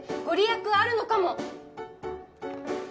「ご利益あるのかも」